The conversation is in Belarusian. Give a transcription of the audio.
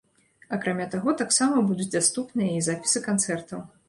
Акрамя таго, таксама будуць даступныя і запісы канцэртаў.